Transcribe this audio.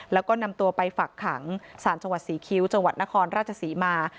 แล้วก็นำตัวไปฝักขังสารจังหวัดศรีคิ้วจังหวัดนครราชศรีมา